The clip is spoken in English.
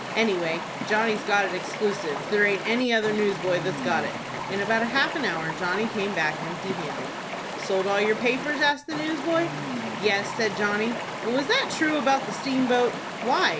"Anyway, Johnny's got it exclusive. There aint any other newsboy that's got it." In about half an hour Johnny came back empty handed. "Sold all your papers?" asked the newsboy. "Yes," said Johnny; "but was that true about the steamboat?" "Why?"